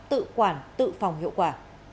tự quản tự phòng hiệu quả